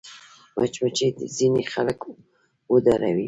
مچمچۍ ځینې خلک وډاروي